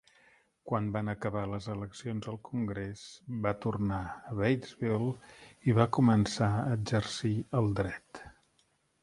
Quan van acabar les eleccions al congrés, va tornar a Batesville i va començar a exercir el dret.